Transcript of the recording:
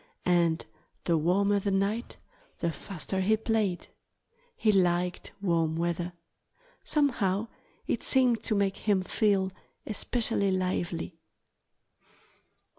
And the warmer the night the faster he played. He liked warm weather. Somehow it seemed to make him feel especially lively.